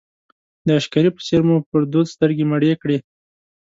د عشقري په څېر مو پر دود سترګې مړې کړې.